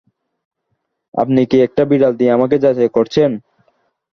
আপনি কি একটা বিড়াল দিয়ে আমাকে যাচাই করছেন?